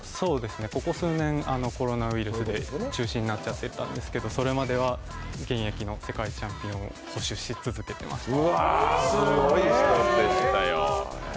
ここ数年、コロナウイルスで中止になってたんですけどそれまでは、現役の世界チャンピオンを続けていました。